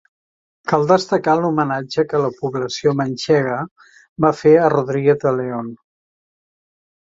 Cal destacar l'homenatge que la població manxega va fer a Rodríguez de León.